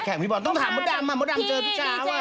จะแข่งพี่บอลต้องถามมดังมามดังเจอทุกเช้าอ่ะ